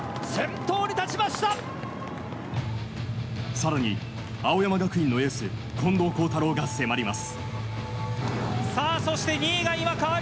更に、青山学院のエース近藤幸太郎が迫ります。